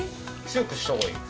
強くした方がいい？